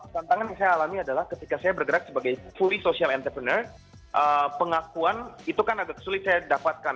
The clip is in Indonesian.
tantangan yang saya alami adalah ketika saya bergerak sebagai fully social entrepreneur pengakuan itu kan agak sulit saya dapatkan